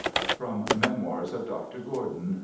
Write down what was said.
"From Memoirs of Dr. Gordon."